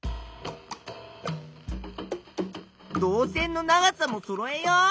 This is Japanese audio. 導線の長さもそろえよう！